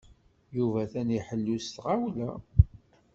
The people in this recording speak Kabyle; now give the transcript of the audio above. Yuba atan iḥellu s tɣawla.